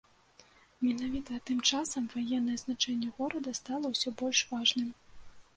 Менавіта тым часам ваеннае значэнне горада стала ўсё больш важным.